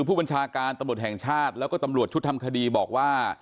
ผู้บัญชาการตำรวจแห่งชาติแล้วก็ตำรวจชุดทำคดีบอกว่า